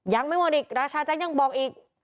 ยังไม่หมดอีกราชาแจ๊กยังบอกอีก